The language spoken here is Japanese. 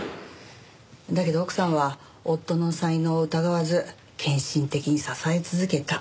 だけど奥さんは夫の才能を疑わず献身的に支え続けた。